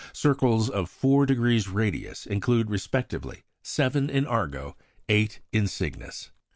Circles of four degrees radius include respectively seven in Argo, eight in Cygnus.